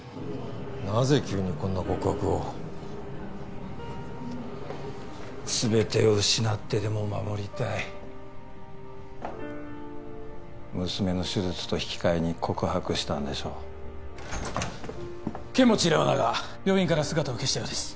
なぜ急にこんな告白を？すべてを失ってでも守りたい娘の手術と引き換えに告白したんでしょう剣持玲於奈が病院から姿を消したようです